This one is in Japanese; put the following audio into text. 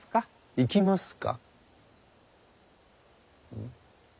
行きますか。